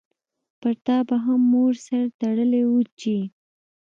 پرتا به هم مور سر تړلی وو چی